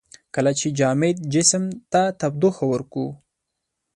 کله چې جامد جسم ته تودوخه ورکوو.